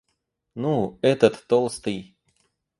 Ну, этот толстый.